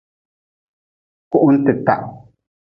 Kuhuntita.